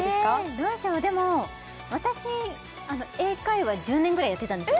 どうしようでも私英会話１０年ぐらいやってたんですよ